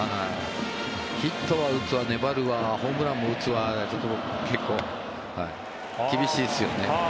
ヒットは打つわ粘るわホームランも打つわ厳しいですよね。